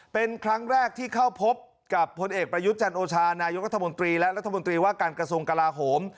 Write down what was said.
เป็นครั้งแรกที่เข้าพบกับพลเอกประยุทธ์จันโอชานายกรัฐมนตรีและรัฐมนตรีว่าการกระทรวงกลาโหม